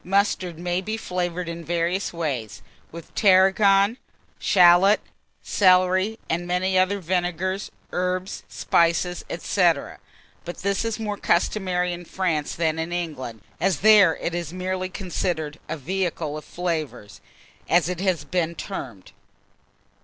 Mustard may be flavoured in various ways, with Tarragon, shalot, celery, and many other vinegars, herbs, spices, &c. but this is more customary in France than in England, as there it is merely considered a "vehicle of flavours," as it has been termed.